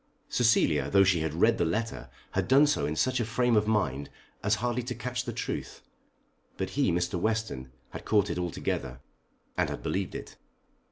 Cecilia though she had read the letter had done so in such a frame of mind as hardly to catch the truth. But he, Mr. Western, had caught it altogether, and had believed it.